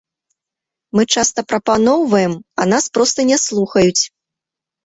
Мы часта прапаноўваем, а нас проста не слухаюць.